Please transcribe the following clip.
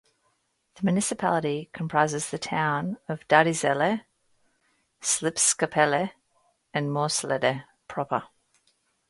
The municipality comprises the towns of Dadizele, Slypskapelle and Moorslede proper.